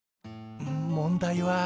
問題は。